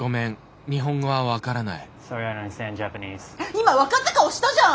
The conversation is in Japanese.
今分かった顔したじゃん！